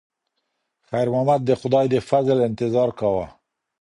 خیر محمد د خدای د فضل انتظار کاوه.